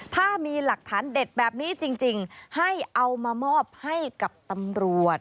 ถ้ามีหลักฐานเด็ดแบบนี้จริงให้เอามามอบให้กับตำรวจ